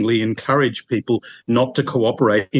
orang orang untuk tidak berkooperasi